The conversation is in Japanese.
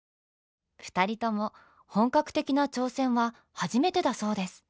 ２人とも本格的な挑戦は初めてだそうです。